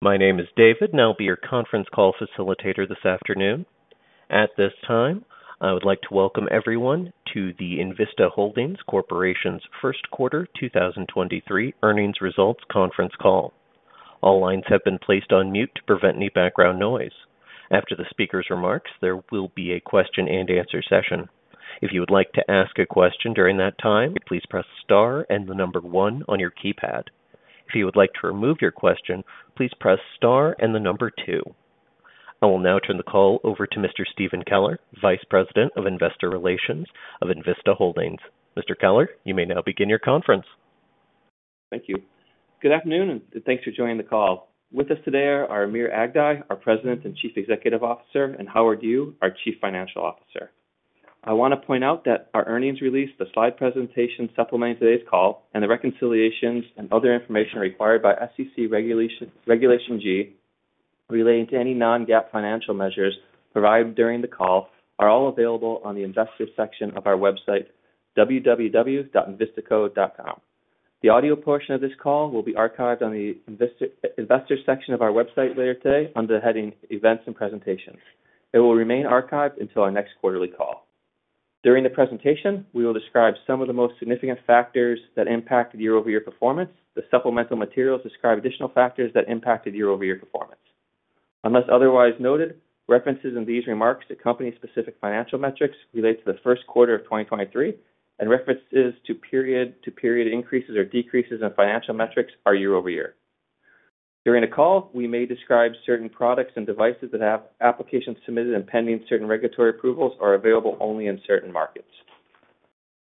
My name is David, and I'll be your conference call facilitator this afternoon. At this time, I would like to welcome everyone to the Envista Holdings Corporation's First Quarter 2023 Earnings Results Conference Call. All lines have been placed on mute to prevent any background noise. After the speaker's remarks, there will be a question-and-answer session. If you would like to ask a question during that time, please press star and the number one on your keypad. If you would like to remove your question, please press star and the number two. I will now turn the call over to Mr. Stephen Keller, Vice President of Investor Relations of Envista Holdings. Mr. Keller, you may now begin your conference. Thank you. Good afternoon, and thanks for joining the call. With us today are Amir Aghdaei, our President and Chief Executive Officer, and Howard Yu, our Chief Financial Officer. I wanna point out that our earnings release, the slide presentation supplementing today's call, and the reconciliations and other information required by SEC Regulation G relating to any non-GAAP financial measures provided during the call are all available on the investor section of our website, www.envistaco.com. The audio portion of this call will be archived on the investor section of our website later today under the heading Events and Presentations. It will remain archived until our next quarterly call. During the presentation, we will describe some of the most significant factors that impacted year-over-year performance. The supplemental materials describe additional factors that impacted year-over-year performance. Unless otherwise noted, references in these remarks to company-specific financial metrics relate to the first quarter of 2023, and references to period to period increases or decreases in financial metrics are year-over-year. During the call, we may describe certain products and devices that have applications submitted and pending certain regulatory approvals are available only in certain markets.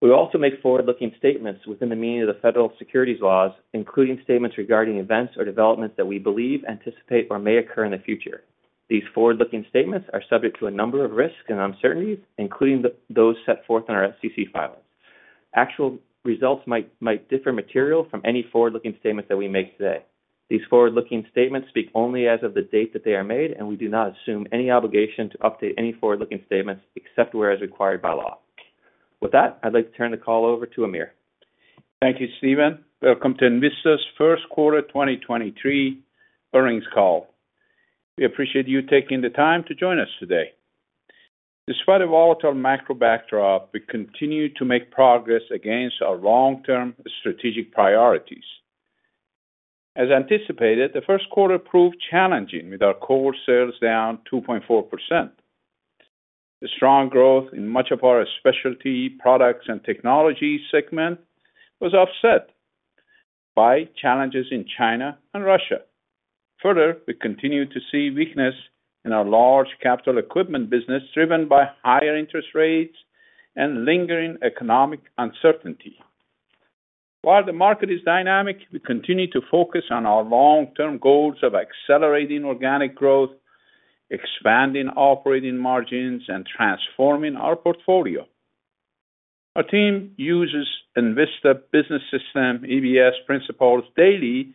We also make forward-looking statements within the meaning of the federal securities laws, including statements regarding events or developments that we believe anticipate or may occur in the future. These forward-looking statements are subject to a number of risks and uncertainties, including those set forth in our SEC filings. Actual results might differ material from any forward-looking statements that we make today. These forward-looking statements speak only as of the date that they are made. We do not assume any obligation to update any forward-looking statements except where as required by law. With that, I'd like to turn the call over to Amir. Thank you, Stephen. Welcome to Envista's first quarter 2023 earnings call. We appreciate you taking the time to join us today. Despite a volatile macro backdrop, we continue to make progress against our long-term strategic priorities. As anticipated, the first quarter proved challenging, with our core sales down 2.4%. The strong growth in much of our Specialty Products & Technologies segment was offset by challenges in China and Russia. We continue to see weakness in our large capital equipment business, driven by higher interest rates and lingering economic uncertainty. While the market is dynamic, we continue to focus on our long-term goals of accelerating organic growth, expanding operating margins, and transforming our portfolio. Our team uses Envista Business System EBS principles daily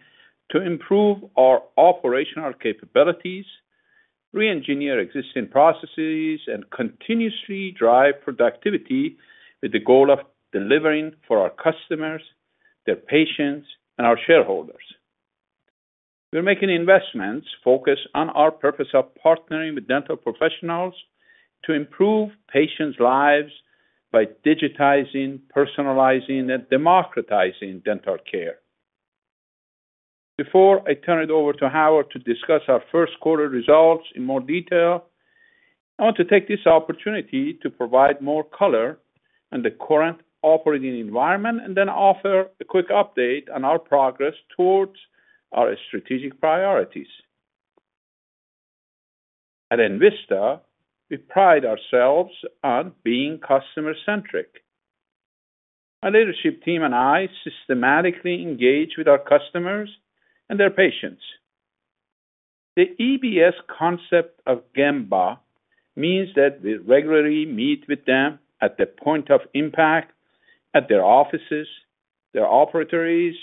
to improve our operational capabilities, reengineer existing processes, and continuously drive productivity with the goal of delivering for our customers, their patients, and our shareholders. We're making investments focused on our purpose of partnering with dental professionals to improve patients' lives by digitizing, personalizing, and democratizing dental care. Before I turn it over to Howard to discuss our first quarter results in more detail, I want to take this opportunity to provide more color on the current operating environment and then offer a quick update on our progress towards our strategic priorities. At Envista, we pride ourselves on being customer-centric. My leadership team and I systematically engage with our customers and their patients. The EBS concept of Gemba means that we regularly meet with them at the point of impact at their offices, their operatories,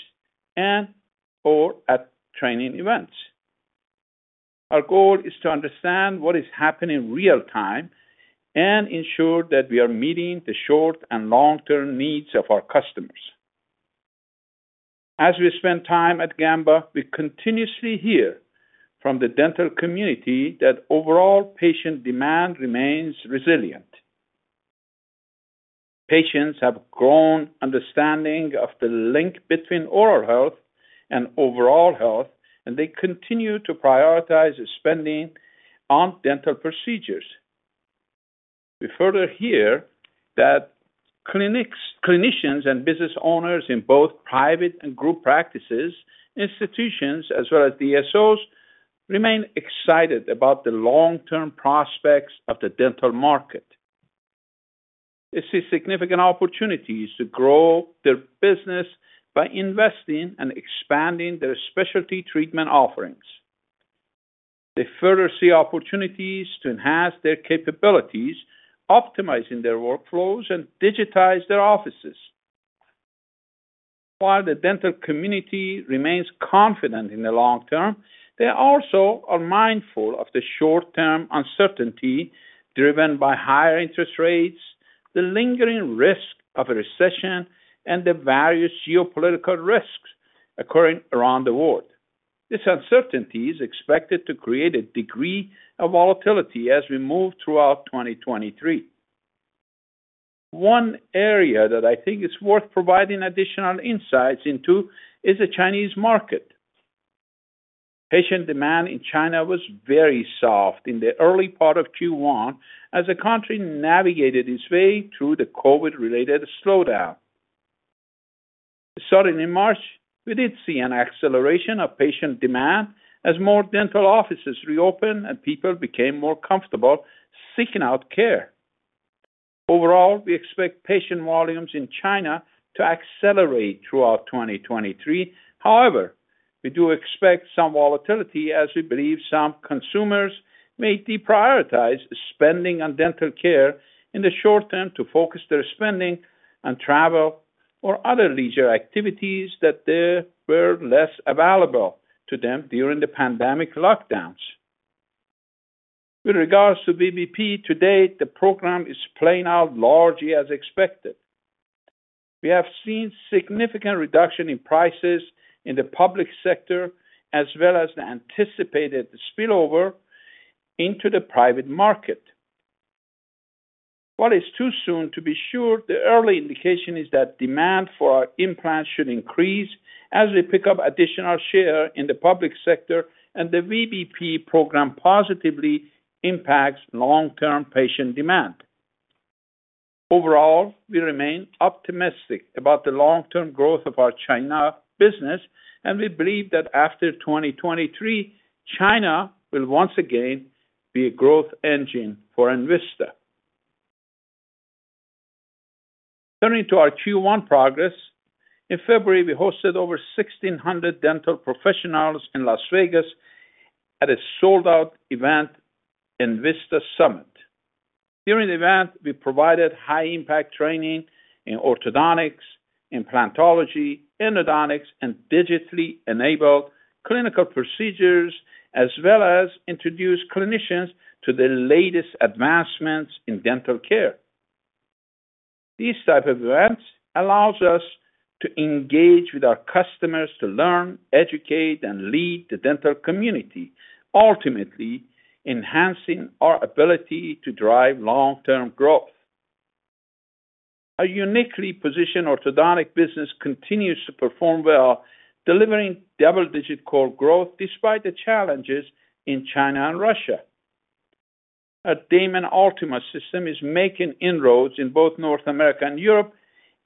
and/or at training events. Our goal is to understand what is happening real-time and ensure that we are meeting the short and long-term needs of our customers. As we spend time at Gemba, we continuously hear from the dental community that overall patient demand remains resilient. Patients have grown understanding of the link between oral health and overall health, and they continue to prioritize spending on dental procedures. We further hear that clinicians and business owners in both private and group practices, institutions, as well as DSOs, remain excited about the long-term prospects of the dental market. They see significant opportunities to grow their business by investing and expanding their specialty treatment offerings. They further see opportunities to enhance their capabilities, optimizing their workflows and digitize their offices. While the dental community remains confident in the long term, they also are mindful of the short-term uncertainty driven by higher interest rates. The lingering risk of a recession and the various geopolitical risks occurring around the world. This uncertainty is expected to create a degree of volatility as we move throughout 2023. One area that I think is worth providing additional insights into is the Chinese market. Patient demand in China was very soft in the early part of Q1 as the country navigated its way through the COVID-related slowdown. Starting in March, we did see an acceleration of patient demand as more dental offices reopened and people became more comfortable seeking out care. Overall, we expect patient volumes in China to accelerate throughout 2023. We do expect some volatility as we believe some consumers may deprioritize spending on dental care in the short term to focus their spending on travel or other leisure activities that they were less available to them during the pandemic lockdowns. With regards to VBP, to date, the program is playing out largely as expected. We have seen significant reduction in prices in the public sector, as well as the anticipated spillover into the private market. While it's too soon to be sure, the early indication is that demand for our implants should increase as we pick up additional share in the public sector and the VBP program positively impacts long-term patient demand. We remain optimistic about the long-term growth of our China business. We believe that after 2023, China will once again be a growth engine for Envista. Turning to our Q1 progress, in February, we hosted over 1,600 dental professionals in Las Vegas at a sold-out event, Envista Summit. During the event, we provided high-impact training in orthodontics, implantology, endodontics, and digitally-enabled clinical procedures, as well as introduced clinicians to the latest advancements in dental care. These type of events allows us to engage with our customers to learn, educate, and lead the dental community, ultimately enhancing our ability to drive long-term growth. Our uniquely positioned orthodontic business continues to perform well, delivering double-digit core growth despite the challenges in China and Russia. Our Damon Ultima system is making inroads in both North America and Europe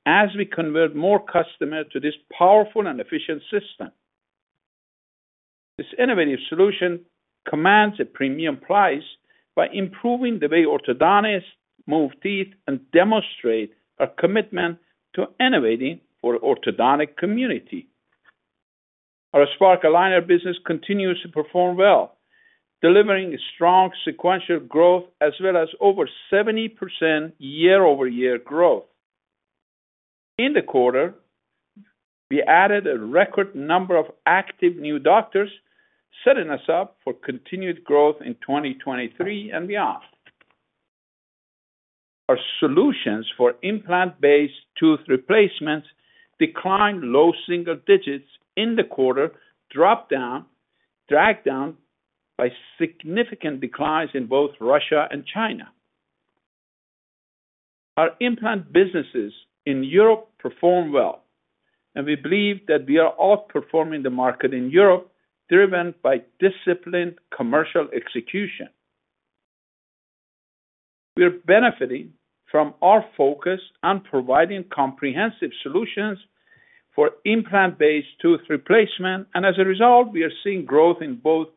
as we convert more customers to this powerful and efficient system. This innovative solution commands a premium price by improving the way orthodontists move teeth and demonstrate a commitment to innovating for orthodontic community. Our Spark Aligner business continues to perform well, delivering strong sequential growth as well as over 70% year-over-year growth. In the quarter, we added a record number of active new doctors, setting us up for continued growth in 2023 and beyond. Our solutions for implant-based tooth replacements declined low single digits in the quarter, dragged down by significant declines in both Russia and China. Our implant businesses in Europe perform well. We believe that we are outperforming the market in Europe, driven by disciplined commercial execution. We're benefiting from our focus on providing comprehensive solutions for implant-based tooth replacement. As a result, we are seeing growth in both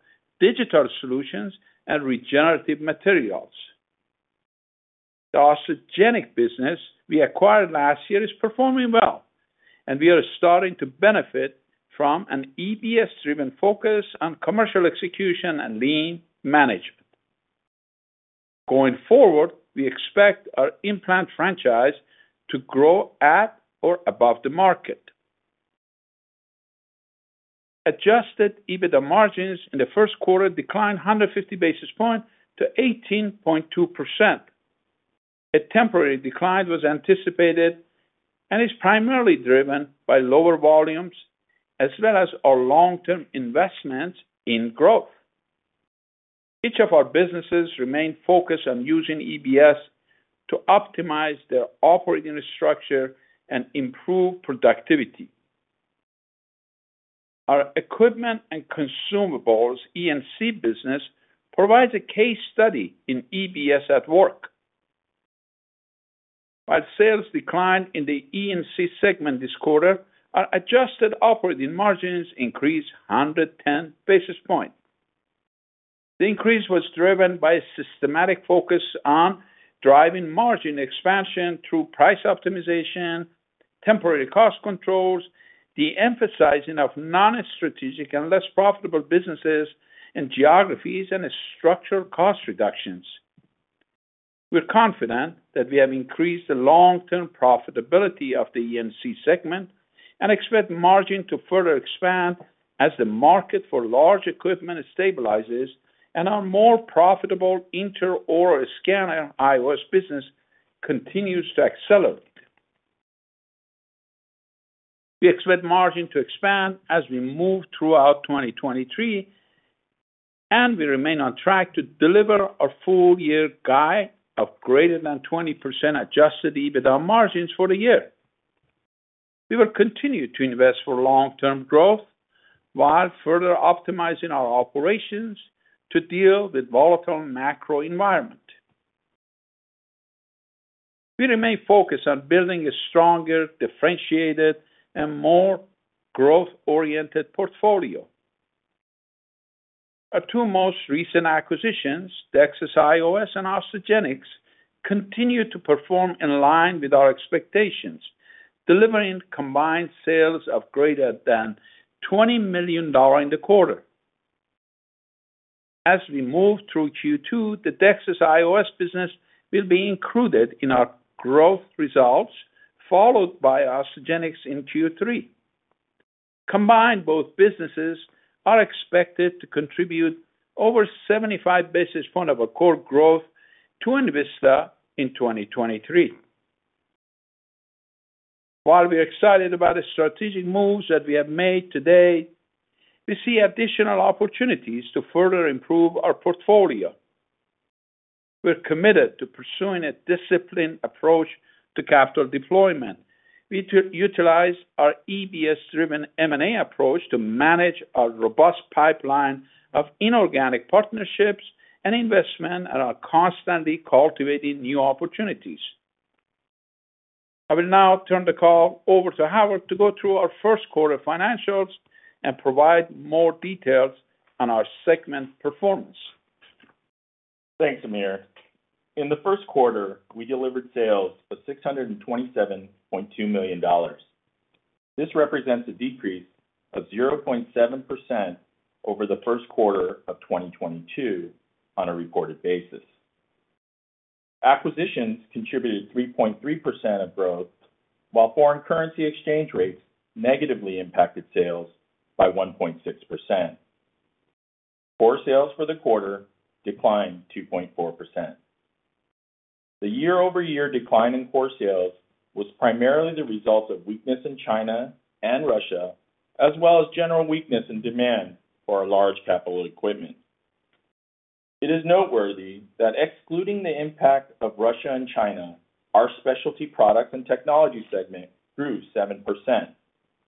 digital solutions and regenerative materials. The Osteogenics business we acquired last year is performing well. We are starting to benefit from an EBS-driven focus on commercial execution and lean management. Going forward, we expect our implant franchise to grow at or above the market. Adjusted EBITDA margins in the first quarter declined 150 basis points to 18.2%. A temporary decline was anticipated and is primarily driven by lower volumes as well as our long-term investments in growth. Each of our businesses remain focused on using EBS to optimize their operating structure and improve productivity. Our Equipment & Consumables, E&C business, provides a case study in EBS at work. While sales declined in the E&C segment this quarter, our adjusted operating margins increased 110 basis points. The increase was driven by a systematic focus on driving margin expansion through price optimization, temporary cost controls, the emphasizing of non-strategic and less profitable businesses and geographies, and structural cost reductions. We're confident that we have increased the long-term profitability of the E&C segment. Expect margin to further expand as the market for large equipment stabilizes and our more profitable intraoral scanner IOS business continues to accelerate. We expect margin to expand as we move throughout 2023, and we remain on track to deliver our full year guide of greater than 20% Adjusted EBITDA margins for the year. We will continue to invest for long-term growth while further optimizing our operations to deal with volatile macro environment. We remain focused on building a stronger, differentiated, and more growth-oriented portfolio. Our two most recent acquisitions, the DEXIS IOS and Osteogenics, continue to perform in line with our expectations, delivering combined sales of greater than $20 million in the quarter. As we move through Q2, the DEXIS IOS business will be included in our growth results, followed by Osteogenics in Q3. Combined, both businesses are expected to contribute over 75 basis points of our core growth to Envista in 2023. We're excited about the strategic moves that we have made today, we see additional opportunities to further improve our portfolio. We're committed to pursuing a disciplined approach to capital deployment. We utilize our EBS-driven M&A approach to manage our robust pipeline of inorganic partnerships and investment and are constantly cultivating new opportunities. I will now turn the call over to Howard to go through our first quarter financials and provide more details on our segment performance. Thanks, Amir. In the first quarter, we delivered sales of $627.2 million. This represents a decrease of 0.7% over the first quarter of 2022 on a reported basis. Acquisitions contributed 3.3% of growth, while foreign currency exchange rates negatively impacted sales by 1.6%. Core sales for the quarter declined 2.4%. The year-over-year decline in core sales was primarily the result of weakness in China and Russia, as well as general weakness in demand for our large capital equipment. It is noteworthy that excluding the impact of Russia and China, our Specialty Products & Technologies segment grew 7%,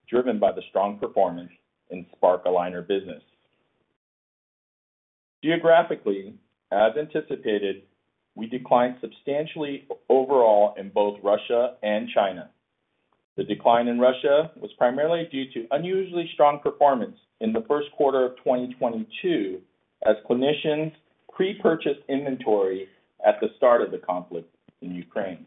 driven by the strong performance in Spark Aligner business. Geographically, as anticipated, we declined substantially overall in both Russia and China. The decline in Russia was primarily due to unusually strong performance in the first quarter of 2022 as clinicians pre-purchased inventory at the start of the conflict in Ukraine.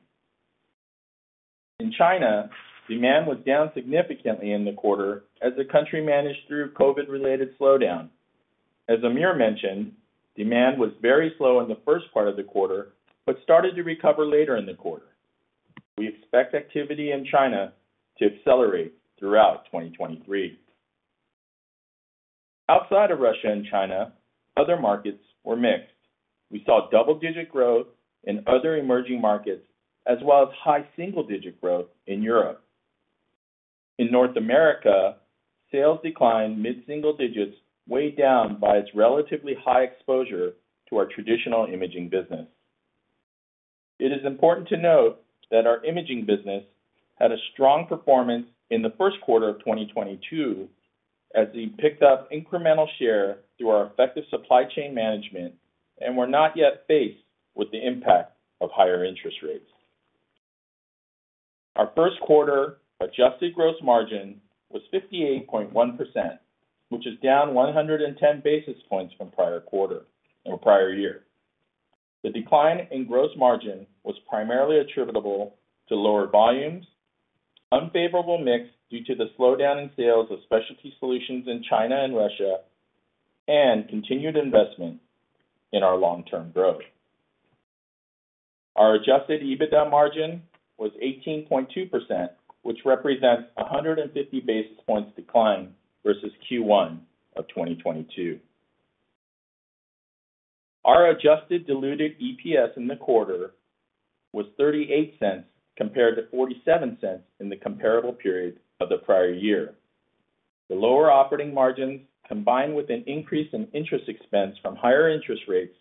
In China, demand was down significantly in the quarter as the country managed through COVID-related slowdown. As Amir mentioned, demand was very slow in the first part of the quarter, but started to recover later in the quarter. We expect activity in China to accelerate throughout 2023. Outside of Russia and China, other markets were mixed. We saw double-digit growth in other emerging markets, as well as high single-digit growth in Europe. In North America, sales declined mid-single digits, weighed down by its relatively high exposure to our traditional imaging business. It is important to note that our imaging business had a strong performance in the first quarter of 2022 as we picked up incremental share through our effective supply chain management and were not yet faced with the impact of higher interest rates. Our first quarter adjusted gross margin was 58.1%, which is down 110 basis points from prior year. The decline in gross margin was primarily attributable to lower volumes, unfavorable mix due to the slowdown in sales of specialty solutions in China and Russia, and continued investment in our long-term growth. Our Adjusted EBITDA margin was 18.2%, which represents 150 basis points decline versus Q1 of 2022. Our adjusted diluted EPS in the quarter was $0.38 compared to $0.47 in the comparable period of the prior year. The lower operating margins, combined with an increase in interest expense from higher interest rates,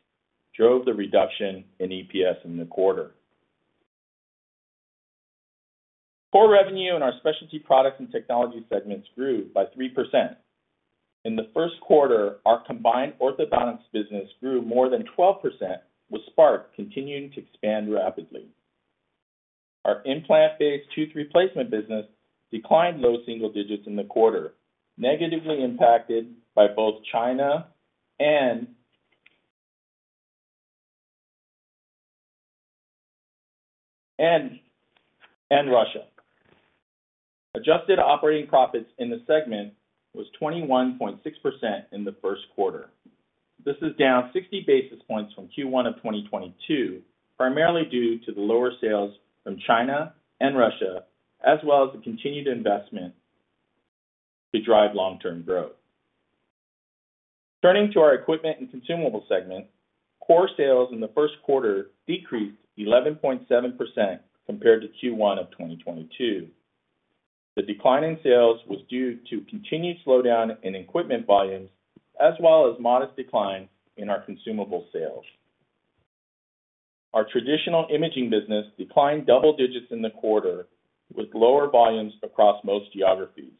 drove the reduction in EPS in the quarter. Core revenue in our Specialty Products & Technologies segments grew by 3%. In the first quarter, our combined orthodontics business grew more than 12%, with Spark continuing to expand rapidly. Our implant-based tooth replacement business declined low single digits in the quarter, negatively impacted by both China and Russia. Adjusted operating profits in the segment was 21.6% in the first quarter. This is down 60 basis points from Q1 of 2022, primarily due to the lower sales from China and Russia, as well as the continued investment to drive long-term growth. Turning to our Equipment & Consumables segment, core sales in the first quarter decreased 11.7% compared to Q1 of 2022. The decline in sales was due to continued slowdown in equipment volumes as well as modest decline in our consumable sales. Our traditional imaging business declined double digits in the quarter, with lower volumes across most geographies.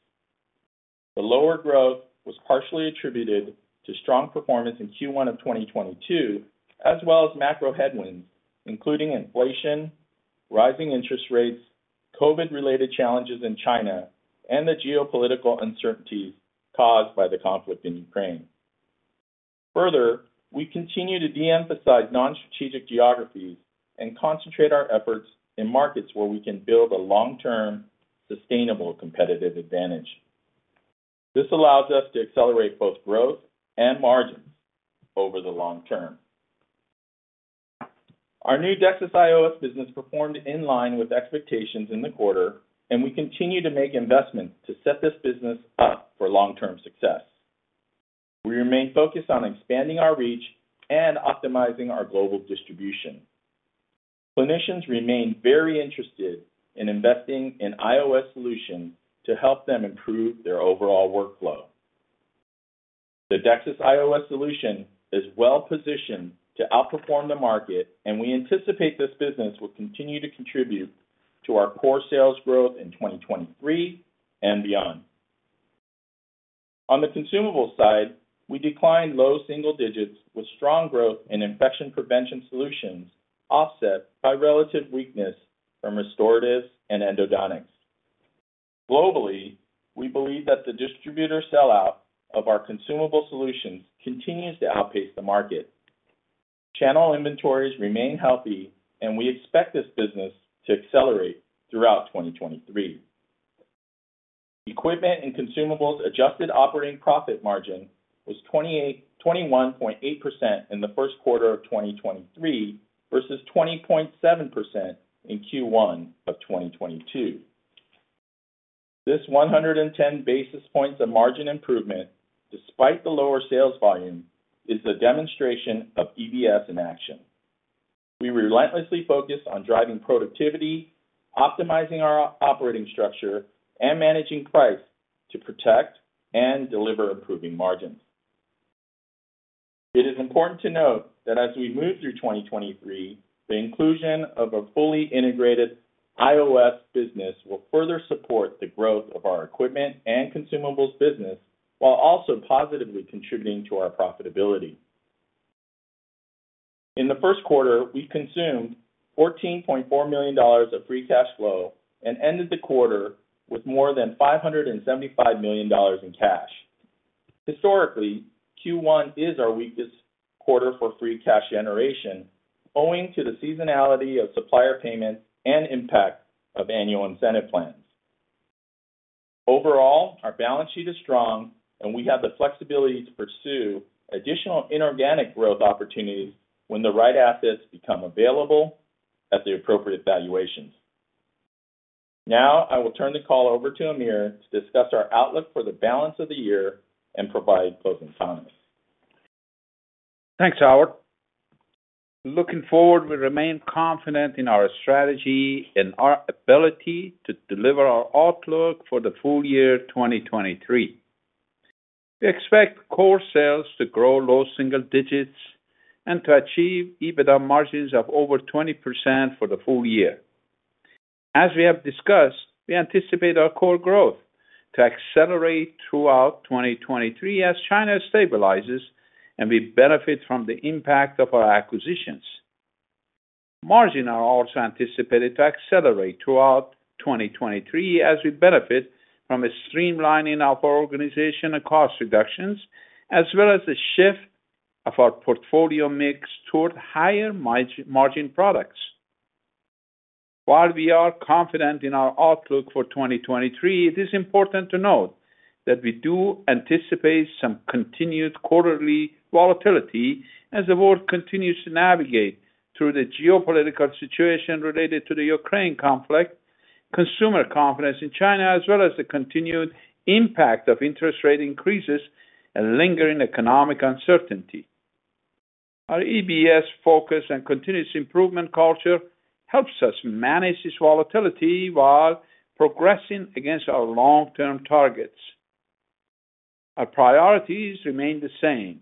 The lower growth was partially attributed to strong performance in Q1 of 2022, as well as macro headwinds, including inflation, rising interest rates, COVID-related challenges in China, and the geopolitical uncertainties caused by the conflict in Ukraine. Further, we continue to de-emphasize non-strategic geographies and concentrate our efforts in markets where we can build a long-term, sustainable competitive advantage. This allows us to accelerate both growth and margins over the long term. Our new DEXIS IOS business performed in line with expectations in the quarter, and we continue to make investments to set this business up for long-term success. We remain focused on expanding our reach and optimizing our global distribution. Clinicians remain very interested in investing in IOS solutions to help them improve their overall workflow. The DEXIS IOS solution is well positioned to outperform the market, we anticipate this business will continue to contribute to our core sales growth in 2023 and beyond. On the consumable side, we declined low single digits with strong growth in infection prevention solutions offset by relative weakness from restoratives and endodontics. Globally, we believe that the distributor sell-out of our consumable solutions continues to outpace the market. Channel inventories remain healthy, we expect this business to accelerate throughout 2023. Equipment & Consumables adjusted operating profit margin was 21.8% in the first quarter of 2023 versus 20.7% in Q1 of 2022. This 110 basis points of margin improvement, despite the lower sales volume, is a demonstration of EBS in action. We relentlessly focus on driving productivity, optimizing our operating structure, and managing price to protect and deliver improving margins. It is important to note that as we move through 2023, the inclusion of a fully integrated IOS business will further support the growth of our Equipment & Consumables business while also positively contributing to our profitability. In the first quarter, we consumed $14.4 million of free cash flow and ended the quarter with more than $575 million in cash. Historically, Q1 is our weakest quarter for free cash generation, owing to the seasonality of supplier payments and impact of annual incentive plans. Overall, our balance sheet is strong, and we have the flexibility to pursue additional inorganic growth opportunities when the right assets become available at the appropriate valuations. Now I will turn the call over to Amir to discuss our outlook for the balance of the year and provide closing comments. Thanks, Howard. Looking forward, we remain confident in our strategy and our ability to deliver our outlook for the full year 2023. We expect core sales to grow low single digits and to achieve EBITDA margins of over 20% for the full year. As we have discussed, we anticipate our core growth to accelerate throughout 2023 as China stabilizes and we benefit from the impact of our acquisitions. Margin are also anticipated to accelerate throughout 2023 as we benefit from a streamlining of our organization and cost reductions, as well as a shift of our portfolio mix toward higher margin products. While we are confident in our outlook for 2023, it is important to note that we do anticipate some continued quarterly volatility as the world continues to navigate through the geopolitical situation related to the Ukraine conflict, consumer confidence in China, as well as the continued impact of interest rate increases and lingering economic uncertainty. Our EBS focus and continuous improvement culture helps us manage this volatility while progressing against our long-term targets. Our priorities remain the same.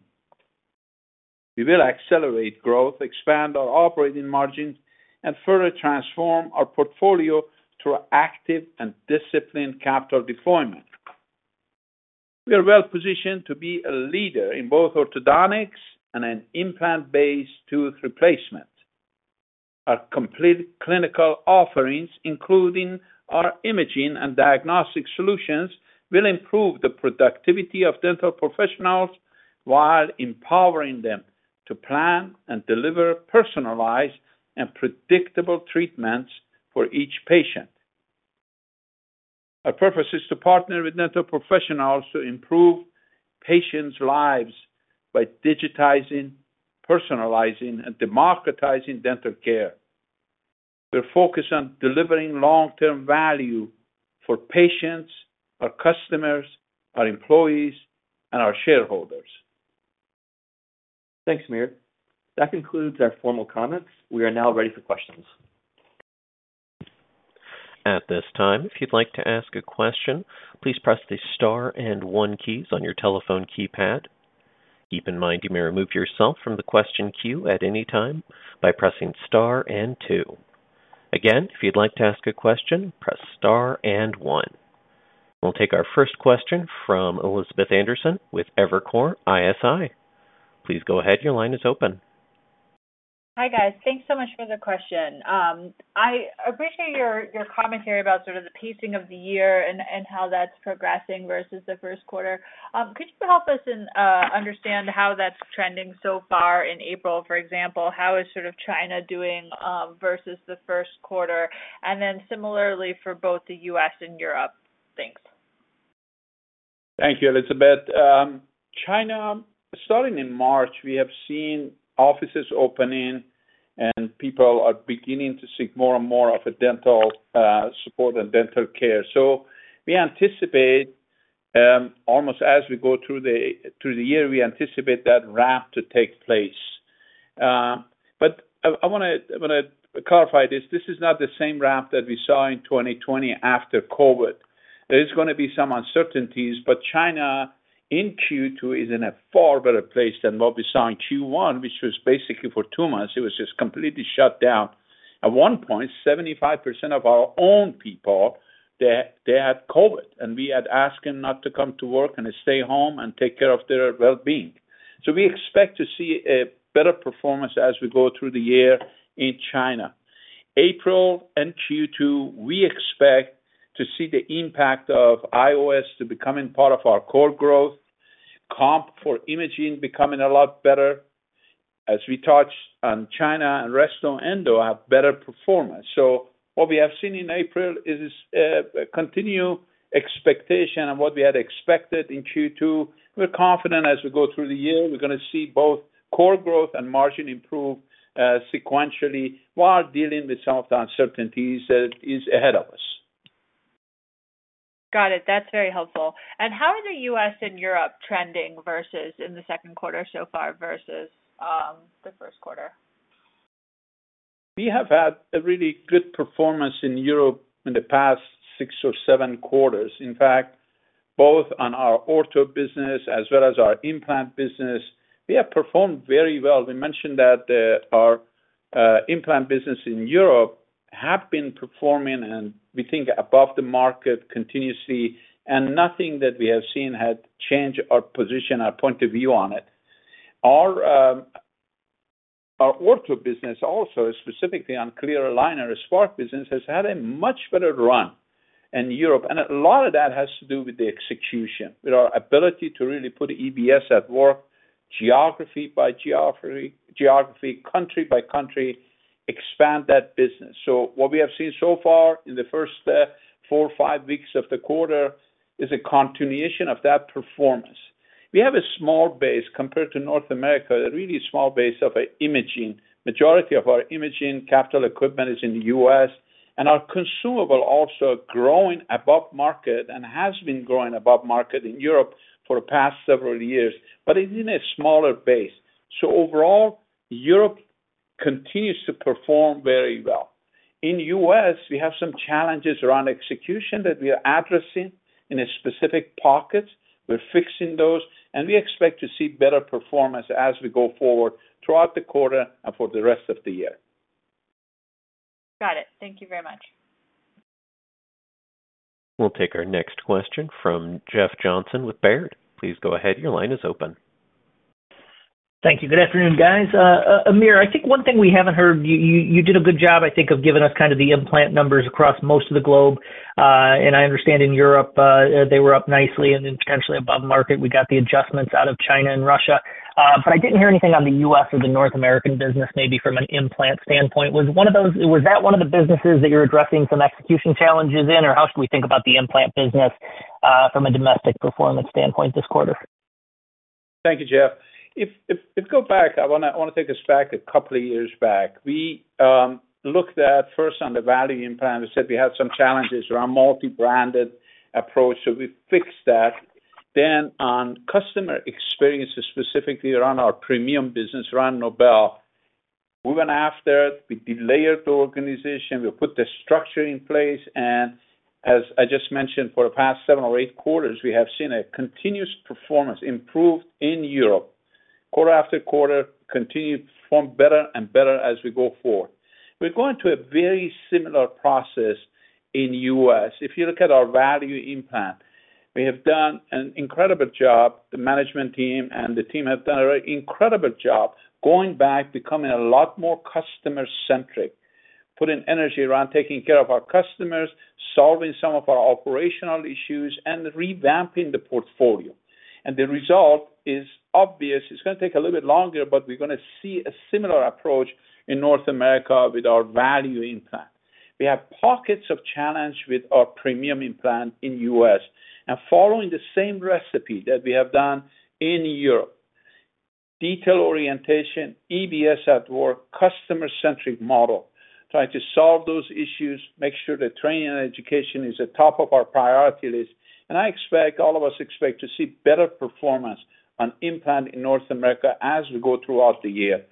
We will accelerate growth, expand our operating margins, and further transform our portfolio through active and disciplined capital deployment. We are well positioned to be a leader in both orthodontics and in implant-based tooth replacement. Our complete clinical offerings, including our imaging and diagnostic solutions, will improve the productivity of dental professionals while empowering them to plan and deliver personalized and predictable treatments for each patient. Our purpose is to partner with dental professionals to improve patients' lives by digitizing, personalizing, and democratizing dental care. We're focused on delivering long-term value for patients, our customers, our employees, and our shareholders. Thanks, Amir. That concludes our formal comments. We are now ready for questions. At this time, if you'd like to ask a question, please press the star and one keys on your telephone keypad. Keep in mind, you may remove yourself from the question queue at any time by pressing star and two. Again, if you'd like to ask a question, press star and one. We'll take our first question from Elizabeth Anderson with Evercore ISI. Please go ahead. Your line is open. Hi, guys. Thanks so much for the question. I appreciate your commentary about sort of the pacing of the year and how that's progressing versus the first quarter. Could you help us understand how that's trending so far in April? For example, how is sort of China doing versus the first quarter? Similarly for both the U.S. and Europe. Thanks. Thank you, Elizabeth. China, starting in March, we have seen offices opening, and people are beginning to seek more and more of a dental support and dental care. We anticipate, almost as we go through the year, we anticipate that ramp to take place. I wanna clarify this. This is not the same ramp that we saw in 2020 after COVID. There is gonna be some uncertainties, but China in Q2 is in a far better place than what we saw in Q1, which was basically for two months, it was just completely shut down. At one point, 75% of our own people, they had COVID, and we had asked them not to come to work and stay home and take care of their well-being. We expect to see a better performance as we go through the year in China. April and Q2, we expect to see the impact of IOS to becoming part of our core growth, comp for imaging becoming a lot better. As we touched on China and resto endo have better performance. What we have seen in April is continued expectation on what we had expected in Q2. We're confident as we go through the year we're gonna see both core growth and margin improve sequentially while dealing with some of the uncertainties that is ahead of us. Got it. That's very helpful. How are the U.S. and Europe trending versus in the second quarter so far versus the first quarter? We have had a really good performance in Europe in the past six or seven quarters. In fact, both on our ortho business as well as our implant business, we have performed very well. We mentioned that our implant business in Europe have been performing, and we think above the market continuously, and nothing that we have seen had changed our position, our point of view on it. Our ortho business also, specifically on clear aligner Spark business, has had a much better run in Europe, and a lot of that has to do with the execution, with our ability to really put EBS at work, geography by geography, country by country, expand that business. What we have seen so far in the first four or five weeks of the quarter is a continuation of that performance. We have a small base compared to North America, a really small base of imaging. Majority of our imaging capital equipment is in the U.S. Our consumable also growing above market and has been growing above market in Europe for the past several years, but is in a smaller base. Overall, Europe continues to perform very well. In U.S., we have some challenges around execution that we are addressing in a specific pocket. We're fixing those, and we expect to see better performance as we go forward throughout the quarter and for the rest of the year. Got it. Thank you very much. We'll take our next question from Jeff Johnson with Baird. Please go ahead. Your line is open. Thank you. Good afternoon, guys. Amir, I think one thing we haven't heard, you did a good job, I think, of giving us kind of the implant numbers across most of the globe. I understand in Europe, they were up nicely and potentially above market. We got the adjustments out of China and Russia. I didn't hear anything on the U.S. or the North American business, maybe from an implant standpoint. Was that one of the businesses that you're addressing some execution challenges in? How should we think about the implant business, from a domestic performance standpoint this quarter? Thank you, Jeff. If go back, I wanna take us back a couple of years back. We looked at first on the value implant. We said we had some challenges around multi-branded approach, so we fixed that. On customer experiences, specifically around our premium business around Nobel, we went after it. We delayered the organization. We put the structure in place. As I just mentioned, for the past seven or eight quarters, we have seen a continuous performance improved in Europe. Quarter after quarter, continue to perform better and better as we go forward. We're going through a very similar process in U.S. If you look at our value implant, we have done an incredible job. The management team and the team have done a really incredible job going back, becoming a lot more customer-centric, putting energy around taking care of our customers, solving some of our operational issues, and revamping the portfolio. The result is obvious. It's gonna take a little bit longer, but we're gonna see a similar approach in North America with our value implant. We have pockets of challenge with our premium implant in U.S. Following the same recipe that we have done in Europe, detail orientation, EBS at work, customer-centric model, trying to solve those issues, make sure that training and education is at top of our priority list. I expect, all of us expect to see better performance on implant in North America as we go throughout the year.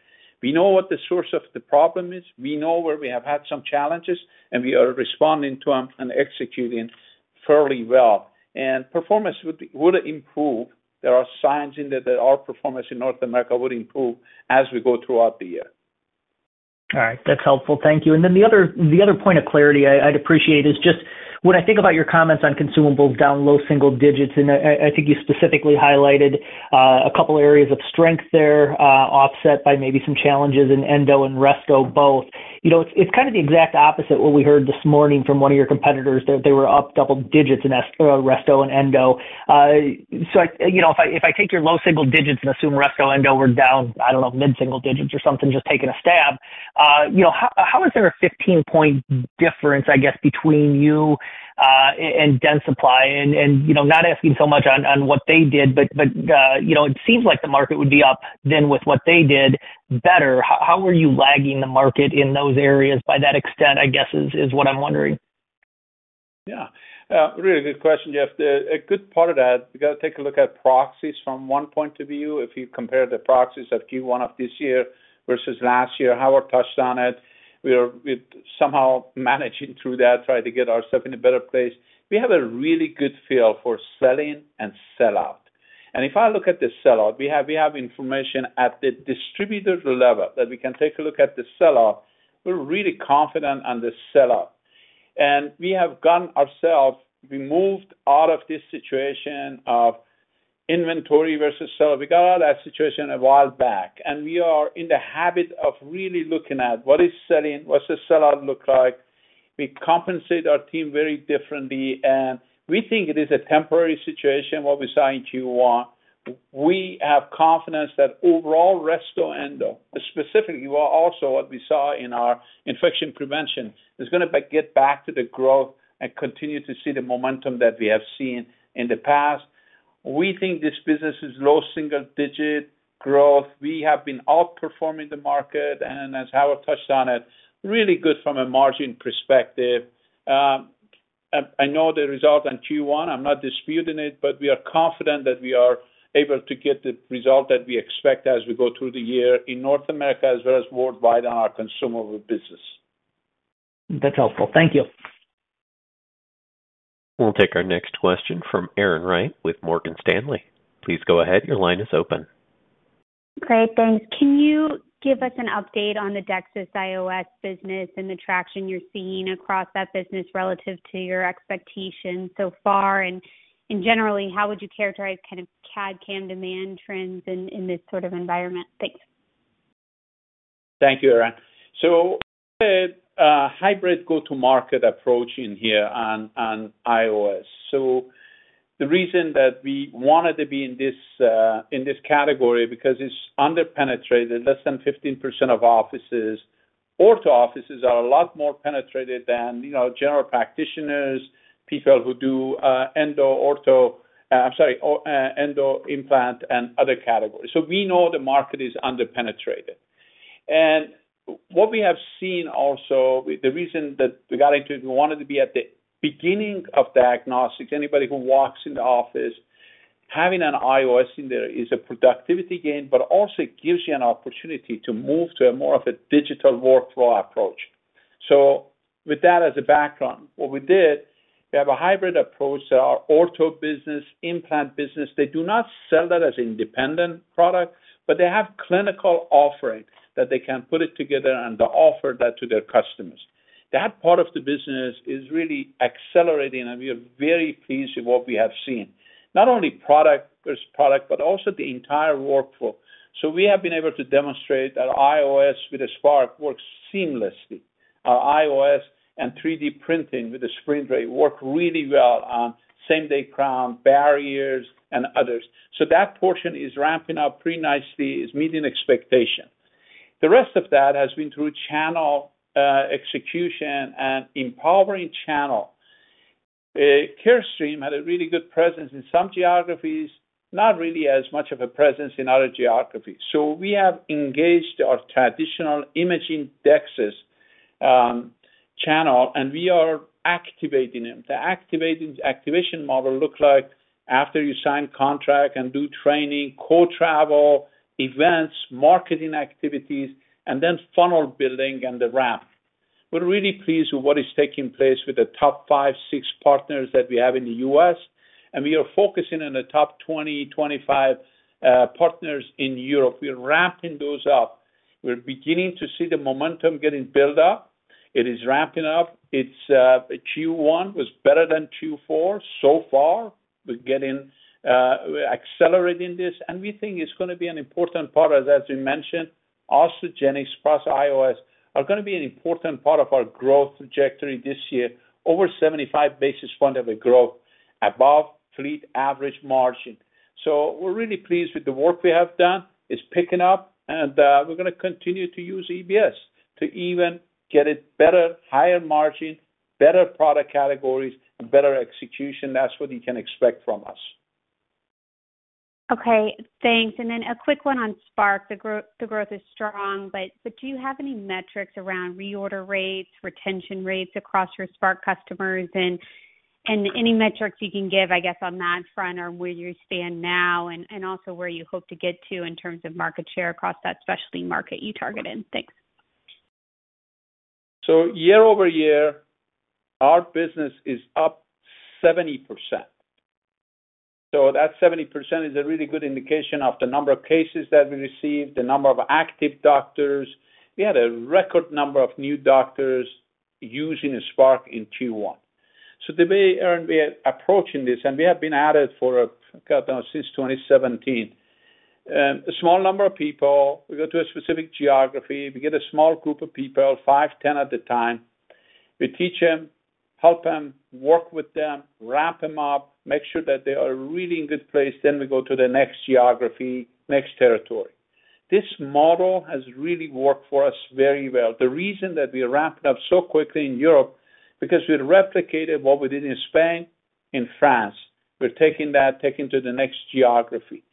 We know what the source of the problem is, we know where we have had some challenges, and we are responding to them and executing fairly well. Performance would improve. There are signs in there that our performance in North America would improve as we go throughout the year. All right. That's helpful. Thank you. The other point of clarity I'd appreciate is just when I think about your comments on consumables down low single digits, and I think you specifically highlighted a couple areas of strength there, offset by maybe some challenges in endo and resto both. You know, it's kind of the exact opposite what we heard this morning from one of your competitors, that they were up double digits in resto and endo. You know, if I take your low single digits and assume resto and endo were down, I don't know, mid-single digits or something, just taking a stab, you know, how is there a 15-point difference, I guess, between you and Dentsply? You know, not asking so much on what they did, but, you know, it seems like the market would be up then with what they did better. How are you lagging the market in those areas by that extent, I guess, is what I'm wondering. Really good question, Jeff. A good part of that, we gotta take a look at proxies from one point of view. If you compare the proxies of Q1 of this year versus last year, Howard touched on it. We're somehow managing through that, trying to get ourselves in a better place. We have a really good feel for selling and sell-out. If I look at the sell-out, we have information at the distributor level that we can take a look at the sell-out. We're really confident on the sell out. We have gotten ourselves. We moved out of this situation of inventory versus sell. We got out of that situation a while back, and we are in the habit of really looking at what is selling, what's the sell-out look like. We compensate our team very differently, and we think it is a temporary situation, what we saw in Q1. We have confidence that overall resto endo, specifically also what we saw in our infection prevention, is gonna get back to the growth and continue to see the momentum that we have seen in the past. We think this business is low single-digit growth. We have been outperforming the market, and as Howard touched on it, really good from a margin perspective. I know the result in Q1, I'm not disputing it, but we are confident that we are able to get the result that we expect as we go through the year in North America as well as worldwide in our consumable business. That's helpful. Thank you. We'll take our next question from Erin Wright with Morgan Stanley. Please go ahead, your line is open. Great. Thanks. Can you give us an update on the DEXIS IOS business and the traction you're seeing across that business relative to your expectations so far? Generally, how would you characterize CAD/CAM demand trends in this sort of environment? Thanks. Thank you, Erin. The hybrid go-to-market approach in here on IOS. The reason that we wanted to be in this category, because it's under-penetrated, less than 15% of offices. Ortho offices are a lot more penetrated than, you know, general practitioners, people who do endo, ortho, I'm sorry, or endo, implant and other categories. We know the market is under-penetrated. And what we have seen also with the reason that we got into it, we wanted to be at the beginning of diagnostics. Anybody who walks in the office, having an IOS in there is a productivity gain, but also it gives you an opportunity to move to a more of a digital workflow approach. With that as a background, what we did, we have a hybrid approach to our ortho business, implant business. They do not sell that as independent product, but they have clinical offerings that they can put it together and offer that to their customers. That part of the business is really accelerating, and we are very pleased with what we have seen. Not only product, but also the entire workflow. We have been able to demonstrate that IOS with Spark works seamlessly. IOS and 3D printing with the SprintRay work really well on same-day crown, barriers, and others. That portion is ramping up pretty nicely, is meeting expectation. The rest of that has been through channel execution and empowering channel. Carestream had a really good presence in some geographies, not really as much of a presence in other geographies. We have engaged our traditional imaging DEXIS channel, and we are activating them. The activation model look like after you sign contract and do training, co-travel, events, marketing activities, and then funnel building and the ramp. We're really pleased with what is taking place with the top five, six partners that we have in the U.S., and we are focusing on the top 20, 25 partners in Europe. We're ramping those up. We're beginning to see the momentum getting built up. It is ramping up. It's Q1 was better than Q4 so far. We're getting, we're accelerating this, and we think it's gonna be an important part, as we mentioned. Osteogenics plus IOS are going to be an important part of our growth trajectory this year. Over 75 basis points of a growth above fleet average margin. We're really pleased with the work we have done. It's picking up and we're going to continue to use EBS to even get a better, higher margin, better product categories, and better execution. That's what you can expect from us. Okay, thanks. A quick one on Spark. The growth is strong, but do you have any metrics around reorder rates, retention rates across your Spark customers, any metrics you can give, I guess, on that front or where you stand now and also where you hope to get to in terms of market share across that specialty market you targeted? Thanks. Year-over-year, our business is up 70%. That 70% is a really good indication of the number of cases that we received, the number of active doctors. We had a record number of new doctors using Spark in Q1. The way, Erin, we are approaching this, and we have been at it for, I don't know, since 2017. A small number of people. We go to a specific geography. We get a small group of people, five, 10 at a time. We teach them, help them, work with them, ramp them up, make sure that they are really in good place. We go to the next geography, next territory. This model has really worked for us very well. The reason that we ramped up so quickly in Europe, because we replicated what we did in Spain, in France. We're taking that, taking to the next geography.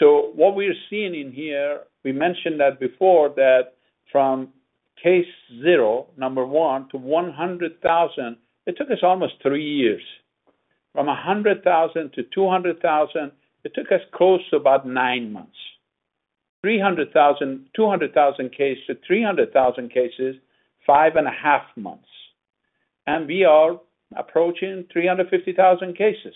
What we're seeing in here, we mentioned that before, that from case zero, number one to 100,000, it took us almost three years. From 100,000-200,000, it took us close to about nine months. 200,000 case to 300,000 cases, five and a half months. We are approaching 350,000 cases.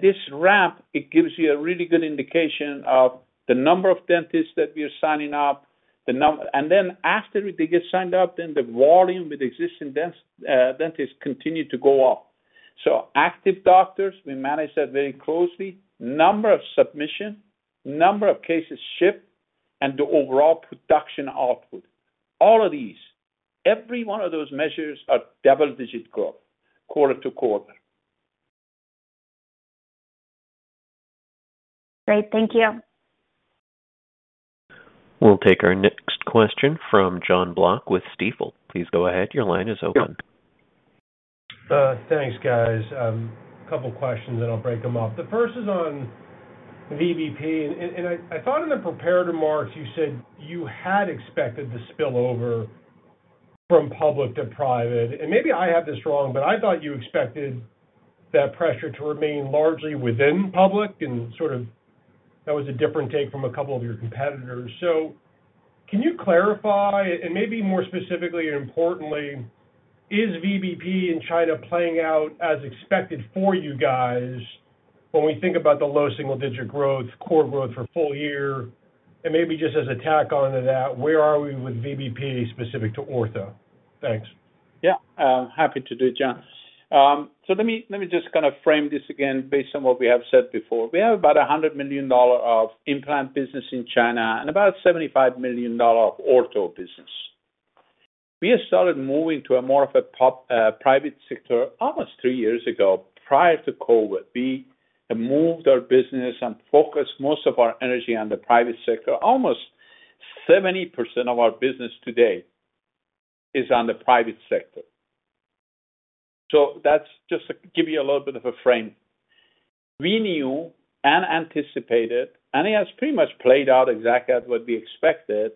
This ramp, it gives you a really good indication of the number of dentists that we are signing up, And then after they get signed up, then the volume with existing dentists continue to go up. Active doctors, we manage that very closely. Number of submission, number of cases shipped, and the overall production output. All of these, every one of those measures are double-digit growth quarter to quarter. Great. Thank you. We'll take our next question from Jon Block with Stifel. Please go ahead. Your line is open. Thanks, guys. A couple questions, and I'll break them up. The first is on VBP. I thought in the prepared remarks you said you had expected the spillover from public to private. Maybe I have this wrong, but I thought you expected that pressure to remain largely within public and sort of that was a different take from a couple of your competitors. Can you clarify, and maybe more specifically and importantly, is VBP in China playing out as expected for you guys when we think about the low single-digit growth, core growth for full year? Maybe just as a tack onto that, where are we with VBP specific to ortho? Thanks. Happy to do it, Jon. Let me just kind of frame this again based on what we have said before. We have about $100 million of implant business in China and about $75 million of ortho business. We have started moving to a more of a private sector almost three years ago prior to COVID. We have moved our business and focused most of our energy on the private sector. Almost 70% of our business today is on the private sector. That's just to give you a little bit of a frame. We knew and anticipated, it has pretty much played out exactly as what we expected,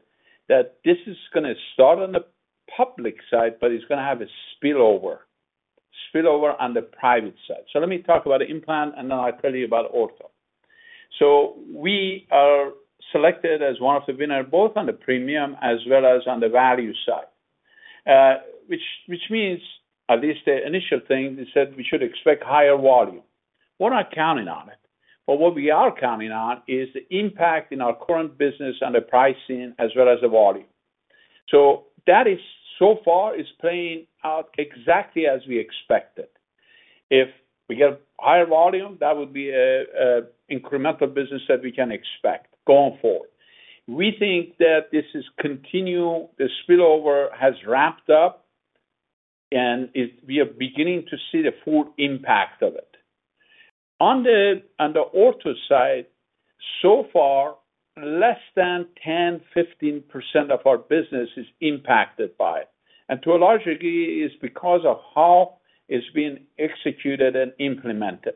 that this is gonna start on the public side, but it's gonna have a spillover on the private side. Let me talk about the implant, and then I'll tell you about ortho. We are selected as one of the winner, both on the premium as well as on the value side. Which means at least the initial thing is that we should expect higher volume. We're not counting on it, but what we are counting on is the impact in our current business and the pricing as well as the volume. That is so far is playing out exactly as we expected. If we get higher volume, that would be a incremental business that we can expect going forward. We think that this is continue, the spillover has ramped up, and we are beginning to see the full impact of it. On the ortho side, so far, less than 10%, 15% of our business is impacted by it, and to a large degree is because of how it's being executed and implemented.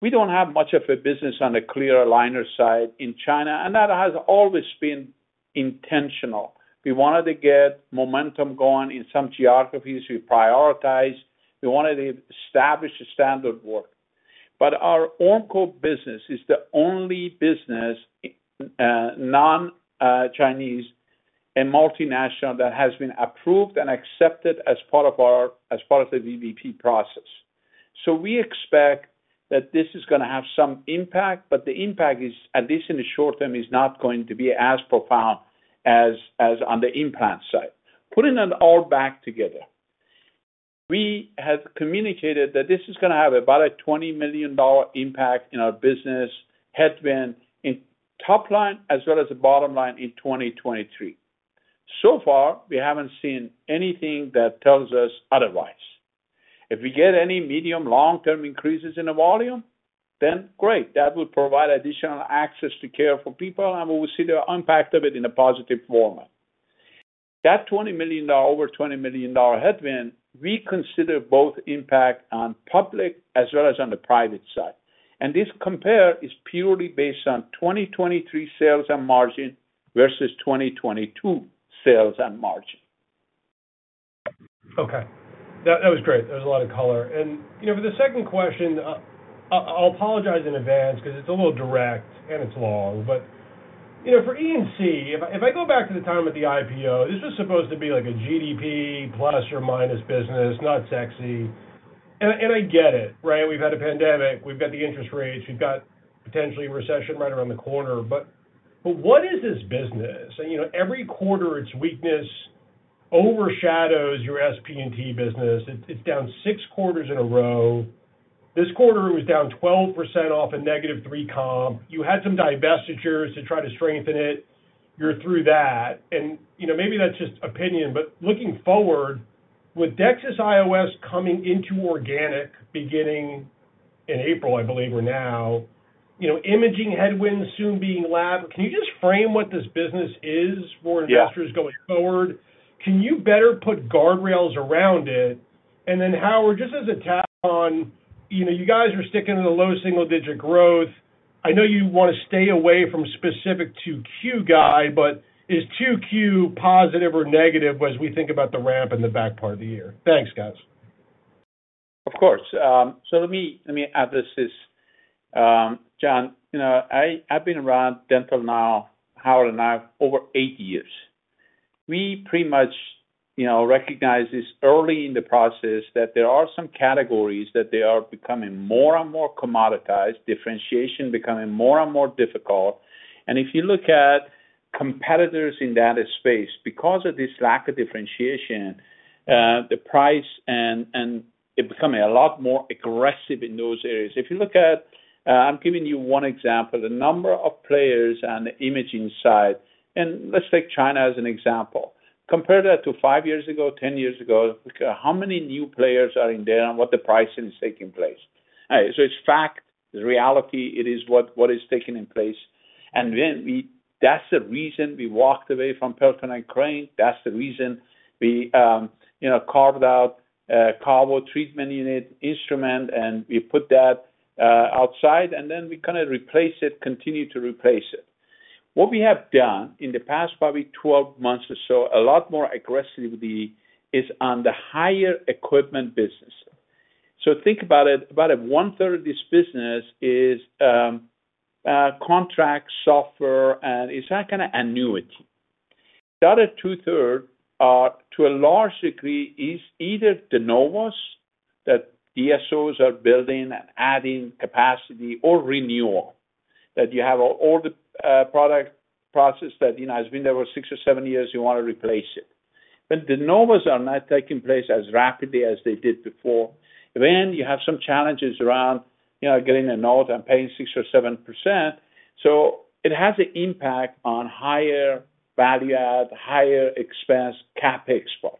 We don't have much of a business on the clear aligner side in China, and that has always been intentional. We wanted to get momentum going in some geographies. We prioritize. We wanted to establish a standard work. Our Ormco business is the only business, non-Chinese and multinational that has been approved and accepted as part of the VBP process. We expect that this is gonna have some impact, but the impact is, at least in the short term, is not going to be as profound as on the implant side. Putting it all back together. We have communicated that this is going to have about a $20 million impact in our business headwind in top line as well as the bottom line in 2023. Far, we haven't seen anything that tells us otherwise. If we get any medium long-term increases in the volume, great, that will provide additional access to care for people, and we will see the impact of it in a positive format. That over $20 million headwind, we consider both impact on public as well as on the private side. This compare is purely based on 2023 sales and margin versus 2022 sales and margin. Okay, that was great. There was a lot of color. For the second question, I'll apologize in advance 'cause it's a little direct and it's long. For E&C, if I go back to the time of the IPO, this was supposed to be like a GDP plus or minus business, not sexy. I get it, right? We've had a pandemic, we've got the interest rates, we've got potentially a recession right around the corner. What is this business? Every quarter, its weakness overshadows your SP&T business. It's down 6 quarters in a row. This quarter, it was down 12% off a -3 comp. You had some divestitures to try to strengthen it. You're through that. Maybe that's just opinion, but looking forward, with DEXIS IOS coming into organic beginning in April, I believe we're now, imaging headwinds soon being lab. Can you just frame what this business is for investors going forward? Can you better put guardrails around it? Howard, just as a tap on, you guys are sticking to the low single-digit growth. I know you want to stay away from specific 2Q, guy, but is 2Q positive or negative as we think about the ramp in the back part of the year? Thanks, guys. Of course. let me add this is, Jon, I've been around dental now, Howard and I, over eight years. We pretty much recognize this early in the process that there are some categories that they are becoming more and more commoditized, differentiation becoming more and more difficult. If you look at competitors in that space, because of this lack of differentiation, the price and it become a lot more aggressive in those areas. If you look at one example, the number of players on the imaging side, and let's take China as an example. Compare that to five years ago, 10 years ago. How many new players are in there and what the pricing is taking place. It's fact, it's reality, it is what is taking in place. That's the reason we walked away from Pelton & Crane. That's the reason we carved out KaVo treatment unit instrument, we put that outside, and we kinda replace it, continue to replace it. What we have done in the past, probably 12 months or so, a lot more aggressively, is on the higher equipment business. Think about it. About one-third of this business is contract software, and it's that kinda annuity. The other two-third are, to a large degree, is either de novos that DSOs are building and adding capacity or renewal, that you have all the product process that, you know, has been there for six or seven years, you want to replace it. De novos are not taking place as rapidly as they did before. You have some challenges around getting a note and paying 6% or 7%. It has an impact on higher value add, higher expense, CapEx part.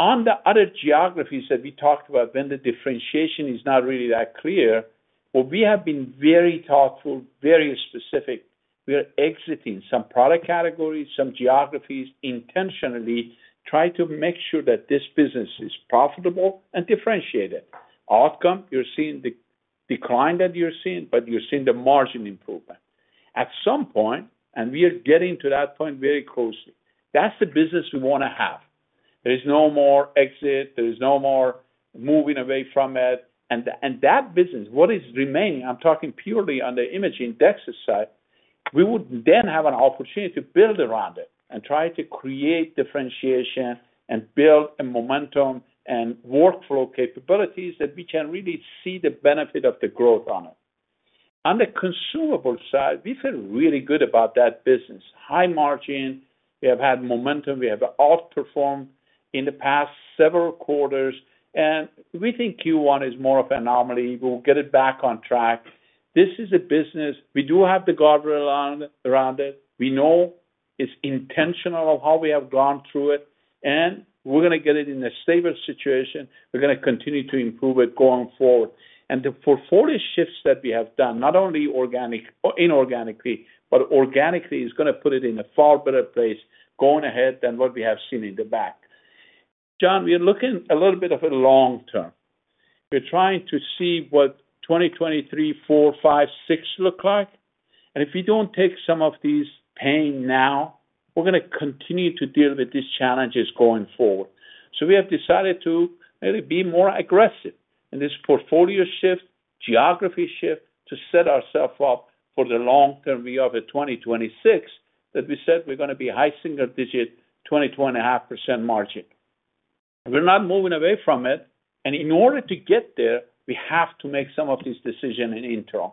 On the other geographies that we talked about, when the differentiation is not really that clear, but we have been very thoughtful, very specific. We are exiting some product categories, some geographies, intentionally try to make sure that this business is profitable and differentiated. Outcome, you're seeing the decline that you're seeing, but you're seeing the margin improvement. At some point, and we are getting to that point very closely, that's the business we want to have. There is no more exit, there is no more moving away from it. That business, what is remaining, I'm talking purely on the imaging DEXIS side, we would then have an opportunity to build around it and try to create differentiation and build a momentum and workflow capabilities that we can really see the benefit of the growth on it. On the consumable side, we feel really good about that business. High margin, we have had momentum, we have outperformed in the past several quarters, and we think Q1 is more of an anomaly. We'll get it back on track. This is a business we do have the guardrail around it. We know it's intentional of how we have gone through it, and we're going to get it in a stable situation. We're going to continue to improve it going forward. The portfolio shifts that we have done, not only inorganically, but organically, is going to put it in a far better place going ahead than what we have seen in the back. John, we are looking a little bit of a long-term. We're trying to see what 2023, 2024, 2025, 2026 look like. If we don't take some of these pain now, we're going to continue to deal with these challenges going forward. We have decided to really be more aggressive in this portfolio shift, geography shift to set ourself up for the long-term view of a 2026 that we said we're going to be high single-digit, 22.5% margin. We're not moving away from it. In order to get there, we have to make some of these decision in interim.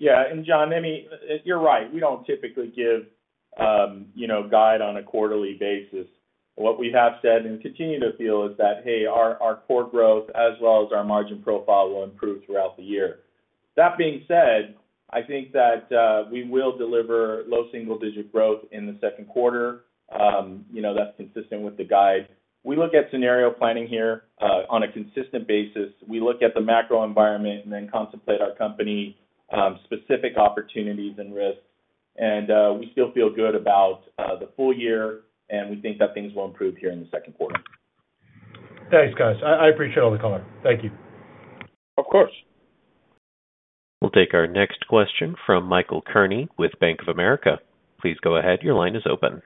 Yeah, Jon, I mean, you're right. We don't typically give, you know, guide on a quarterly basis. What we have said and continue to feel is that, hey, our core growth as well as our margin profile will improve throughout the year. That being said, I think that we will deliver low single-digit growth in the second quarter. You know, that's consistent with the guide. We look at scenario planning here, on a consistent basis. We look at the macro environment and then contemplate our company, specific opportunities and risks. We still feel good about the full year, and we think that things will improve here in the second quarter. Thanks, guys. I appreciate all the color. Thank you. Of course. We'll take our next question from Michael Cherny with Bank of America. Please go ahead. Your line is open.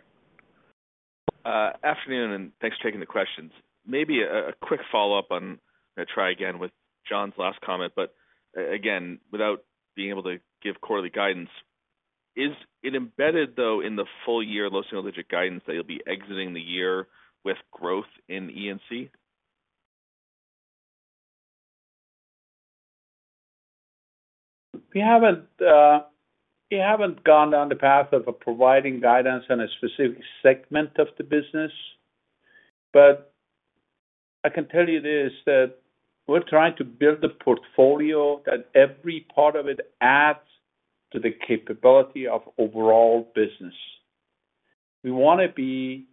Afternoon, thanks for taking the questions. Maybe a quick follow-up on, I'm gonna try again with John's last comment. Again, without being able to give quarterly guidance, is it embedded, though, in the full year low single-digit guidance that you'll be exiting the year with growth in E&C? We haven't gone down the path of providing guidance on a specific segment of the business. I can tell you this, that we're trying to build a portfolio that every part of it adds to the capability of overall business. We wanna be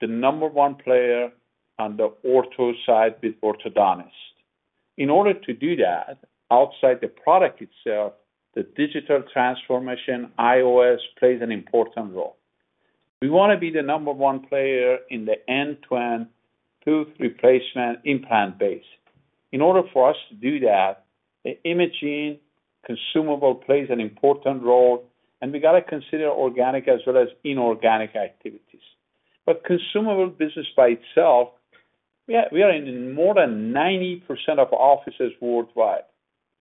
the number one player on the ortho side with orthodontists. In order to do that, outside the product itself, the digital transformation IOS plays an important role. We wanna be the number one player in the end-12 tooth replacement implant base. In order for us to do that, the imaging consumable plays an important role, and we gotta consider organic as well as inorganic activities. Consumable business by itself, we are in more than 90% of offices worldwide.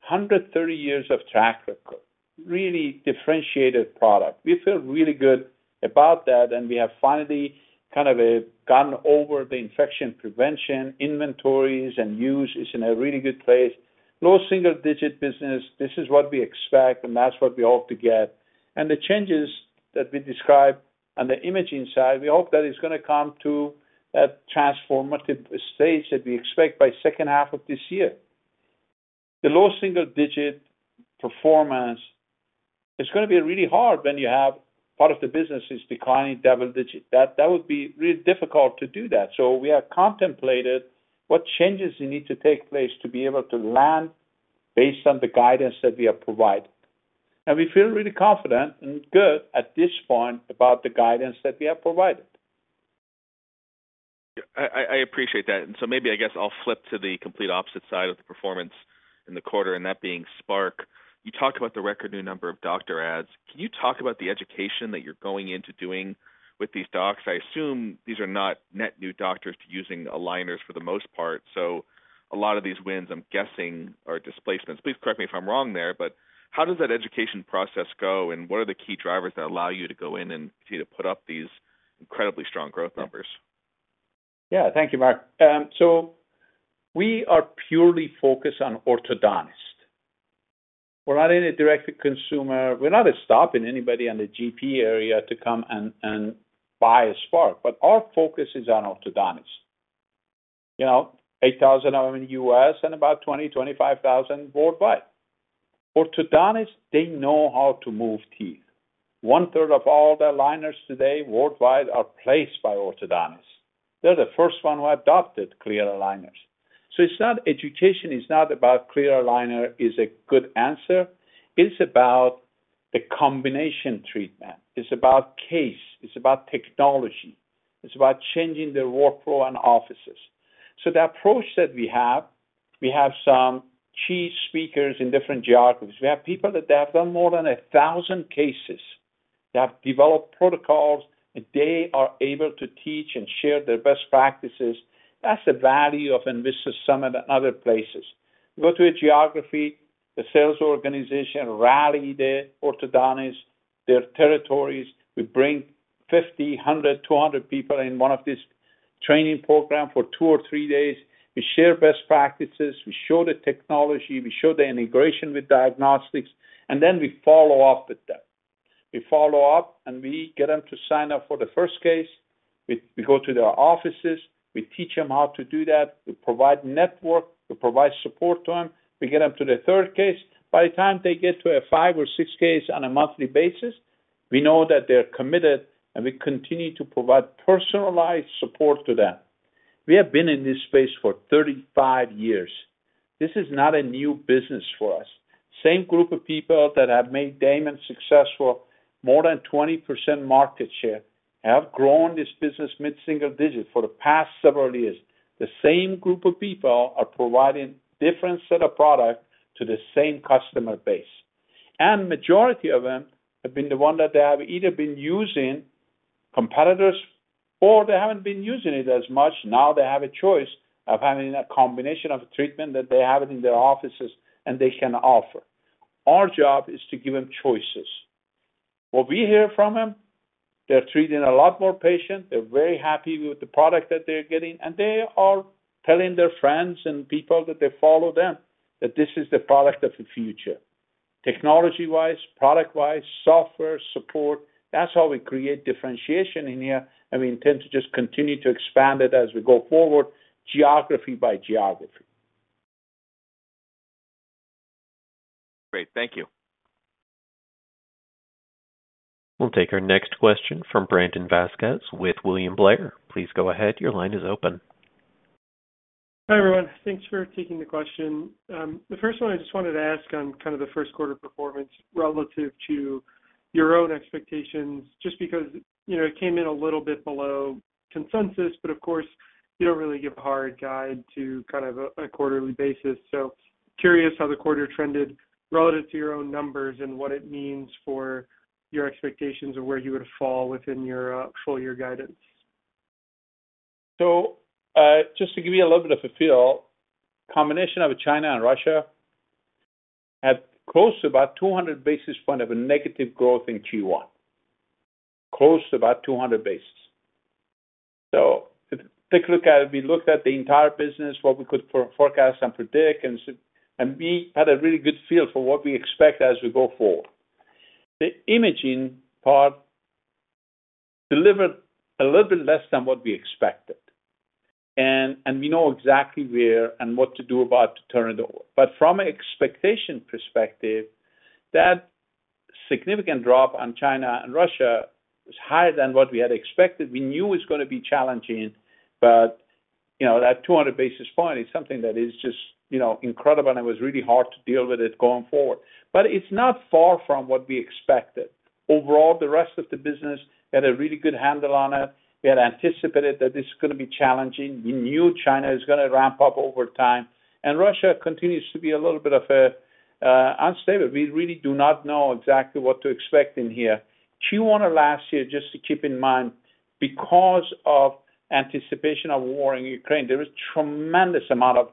130 years of track record, really differentiated product. We feel really good about that, and we have finally kind of gotten over the infection prevention, inventories, and use is in a really good place. Low single-digit business, this is what we expect and that's what we hope to get. The changes that we described on the imaging side, we hope that is gonna come to a transformative stage that we expect by second half of this year. The low single-digit performance is gonna be really hard when you have part of the business is declining double digit. That would be really difficult to do that. We have contemplated what changes you need to take place to be able to land based on the guidance that we have provided. We feel really confident and good at this point about the guidance that we have provided. I appreciate that. Maybe, I guess, I'll flip to the complete opposite side of the performance in the quarter, and that being Spark. You talked about the record new number of doctor ads. Can you talk about the education that you're going into doing with these docs? I assume these are not net new doctors to using aligners for the most part, so a lot of these wins, I'm guessing, are displacements. Please correct me if I'm wrong there, but how does that education process go, and what are the key drivers that allow you to go in and continue to put up these incredibly strong growth numbers? Yeah. Thank you, Mark. We are purely focused on orthodontists. We're not in a direct consumer. We're not stopping anybody in the GP area to come and buy a Spark, but our focus is on orthodontists. You know, 8,000 are in the U.S. and about 20,000-25,000 worldwide. Orthodontists, they know how to move teeth. One-third of all the aligners today worldwide are placed by orthodontists. They're the first one who adopted clear aligners. education is not about clear aligner is a good answer, it's about the combination treatment. It's about case, it's about technology, it's about changing their workflow and offices. the approach that we have, we have some key speakers in different geographies. We have people that have done more than 1,000 cases. They have developed protocols, and they are able to teach and share their best practices. That's the value of Envista Summit and other places. Go to a geography, the sales organization rally the orthodontists, their territories. We bring 50, 100, 200 people in one of these training program for two or three days. We share best practices, we show the technology, we show the integration with diagnostics, and then we follow up with them. We follow up, and we get them to sign up for the first case. We go to their offices, we teach them how to do that. We provide network, we provide support to them. We get them to the third case. By the time they get to a five or six case on a monthly basis, we know that they're committed, and we continue to provide personalized support to them. We have been in this space for 35 years. This is not a new business for us. Same group of people that have made Damon successful, more than 20% market share, have grown this business mid-single digit for the past several years. The same group of people are providing different set of product to the same customer base. Majority of them have been the one that they have either been using competitors or they haven't been using it as much. Now they have a choice of having a combination of treatment that they have it in their offices and they can offer. Our job is to give them choices. What we hear from them, they're treating a lot more patients. They're very happy with the product that they're getting, and they are telling their friends and people that they follow them that this is the product of the future. Technology-wise, product-wise, software, support, that's how we create differentiation in here, and we intend to just continue to expand it as we go forward, geography by geography. Great. Thank you. We'll take our next question from Brandon Vazquez with William Blair. Please go ahead. Your line is open. Hi, everyone. Thanks for taking the question. The first one I just wanted to ask on kind of the first quarter performance relative to your own expectations, just because, you know, it came in a little bit below consensus, but of course, you don't really give a hard guide to kind of a quarterly basis. Curious how the quarter trended relative to your own numbers and what it means for your expectations of where you would fall within your full year guidance. Just to give you a little bit of a feel, combination of China and Russia had close to about 200 basis point of a negative growth in Q1. Close to about 200 basis. To take a look at it, we looked at the entire business, what we could forecast and predict, and we had a really good feel for what we expect as we go forward. The imaging part delivered a little bit less than what we expected, and we know exactly where and what to do about to turn it over. From an expectation perspective, that significant drop on China and Russia was higher than what we had expected. We knew it was gonna be challenging, but, you know, that 200 basis points is something that is just, you know, incredible, and it was really hard to deal with it going forward. It's not far from what we expected. Overall, the rest of the business had a really good handle on it. We had anticipated that this is gonna be challenging. We knew China is gonna ramp up over time, and Russia continues to be a little bit of a unstable. We really do not know exactly what to expect in here. Q1 of last year, just to keep in mind, because of anticipation of war in Ukraine, there was tremendous amount of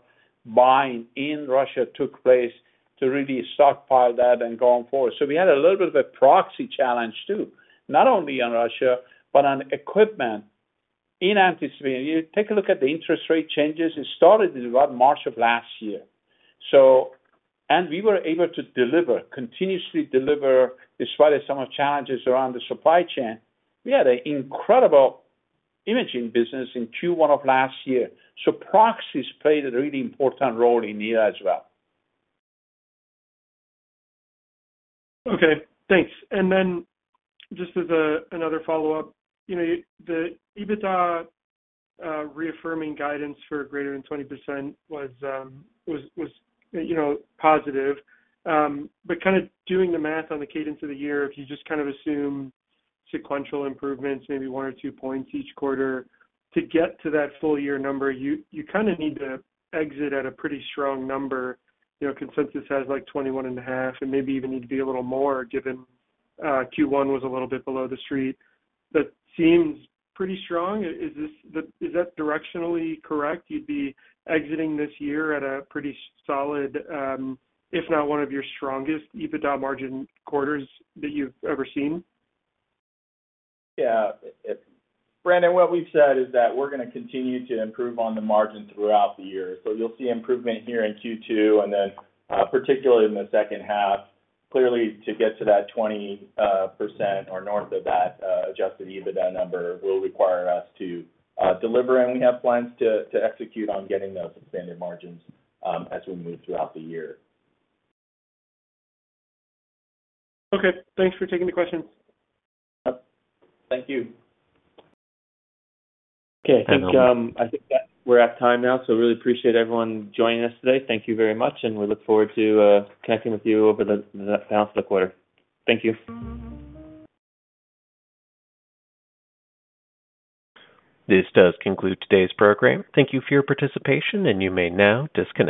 buying in Russia took place to really stockpile that and going forward. We had a little bit of a proxy challenge too, not only on Russia, but on equipment in anticipation. You take a look at the interest rate changes, it started in about March of last year. We were able to deliver, continuously deliver, despite some of the challenges around the supply chain. We had an incredible imaging business in Q1 of last year. Proxies played a really important role in here as well. Okay, thanks. Just as a, another follow-up, you know, the EBITDA reaffirming guidance for greater than 20% was, you know, positive. Kinda doing the math on the cadence of the year, if you just kind of assume sequential improvements, maybe one or two points each quarter, to get to that full year number, you kinda need to exit at a pretty strong number. You know, consensus has like 21.5 and maybe even need to be a little more given Q1 was a little bit below the street. That seems pretty strong. Is that directionally correct? You'd be exiting this year at a pretty solid, if not one of your strongest EBITDA margin quarters that you've ever seen? Yeah. Brandon, what we've said is that we're gonna continue to improve on the margin throughout the year. You'll see improvement here in Q2, and then particularly in the second half. Clearly, to get to that 20% or north of that Adjusted EBITDA number will require us to deliver, and we have plans to execute on getting those expanded margins as we move throughout the year. Okay. Thanks for taking the questions. Yep. Thank you. Okay. I think, I think that we're at time now, really appreciate everyone joining us today. Thank you very much. We look forward to connecting with you over the balance of the quarter. Thank you. This does conclude today's program. Thank you for your participation, and you may now disconnect.